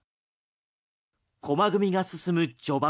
駒組みが進む序盤